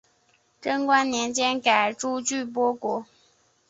贞观年间改朱俱波国。